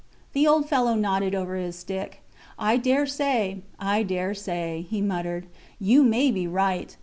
The old fellow nodded over his stick. I dare say; I dare say, he muttered. You may be right.